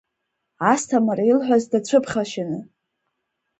Асҭамыр илҳәаз дацәыԥхашьаны.